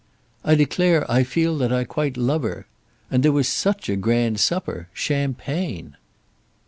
"I declare I feel that I quite love her. And there was such a grand supper. Champagne!"